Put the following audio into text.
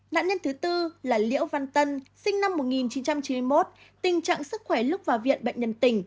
nạn nhân thứ tư là liễu văn tân sinh năm một nghìn chín trăm chín mươi một tình trạng sức khỏe lúc vào viện bệnh nhân tỉnh